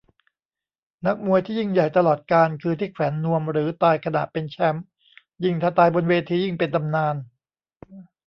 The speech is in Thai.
นักมวยที่ยิ่งใหญ่ตลอดกาล คือที่แขวนนวมหรือตายขณะเป็นแชมป์ ยิ่งถ้าตายบนเวทียิ่งเป็นตำนาน